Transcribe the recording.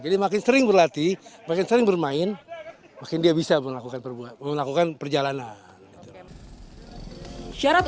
jadi makin sering berlatih makin sering bermain makin dia bisa melakukan perjalanan